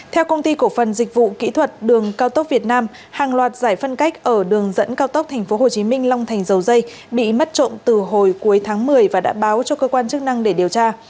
theo công ty cổ phần dịch vụ kỹ thuật đường cao tốc việt nam hàng loạt giải phân cách ở đường dẫn cao tốc tp hcm long thành dầu dây bị mất trộm từ hồi cuối tháng một mươi và đã báo cho cơ quan chức năng để điều tra